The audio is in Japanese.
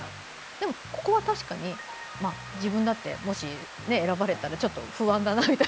でも、ここは確かに自分だってもし選ばれたら不安だなみたいな。